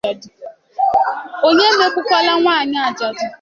Onye emegbukwala nwaanyị ajadụ